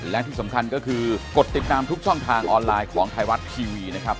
และที่สำคัญก็คือกดติดตามทุกช่องทางออนไลน์ของไทยรัฐทีวีนะครับ